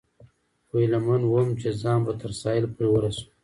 خو هیله من ووم، چې ځان به تر ساحل پورې ورسوم.